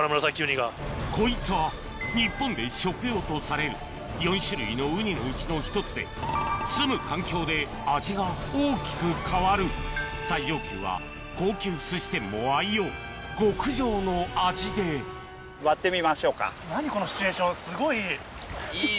こいつは日本で食用とされる４種類のウニのうちの１つですむ環境で味が大きく変わる最上級は高級寿司店も愛用極上の味ですごいいい。